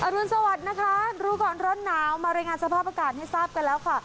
รุนสวัสดิ์นะคะรู้ก่อนร้อนหนาวมารายงานสภาพอากาศให้ทราบกันแล้วค่ะ